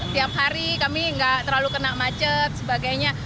tiap hari kami nggak terlalu kena macet sebagainya